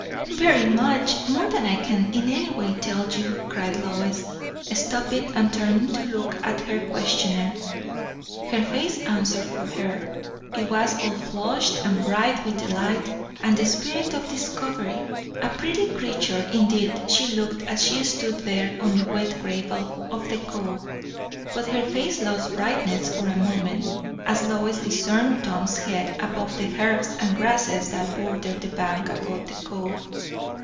"Very much! More than I can in any way tell you!" cried Lois, stopping and turning to look at her questioner. Her face answered for her; it was all flushed and bright with delight and the spirit of discovery; a pretty creature indeed she looked as she stood there on the wet gravel of the cove; but her face lost brightness for a moment, as Lois discerned Tom's head above the herbs and grasses that bordered the bank above the cove.